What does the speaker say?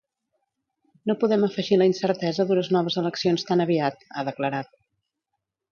No podem afegir la incertesa d’unes noves eleccions tan aviat, ha declarat.